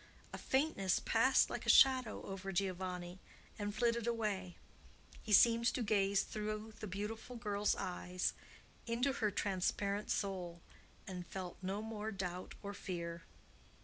A faintness passed like a shadow over Giovanni and flitted away; he seemed to gaze through the beautiful girl's eyes into her transparent soul, and felt no more doubt or fear.